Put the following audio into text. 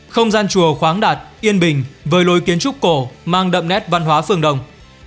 không gian chùa khoáng đạt yên bình với lối kiến trúc cổ mang đậm nét văn hóa phương đồng